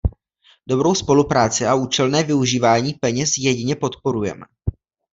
Dobrou spolupráci a účelné využívání peněz jedině podporujeme.